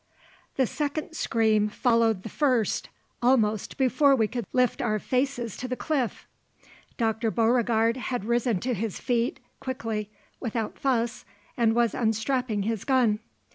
The second scream followed the first almost before we could lift our faces to the cliff. Dr. Beauregard had risen to his feet quickly, without fuss, and was unstrapping his gun.